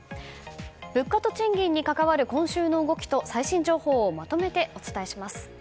物価と賃金に関わる今週の動きと最新情報をまとめてお伝えします。